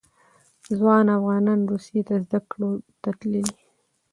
ځوان افغانان روسیې ته زده کړو ته تللي.